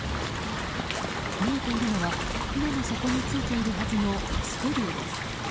見えているのは船の底についているはずのスクリューです。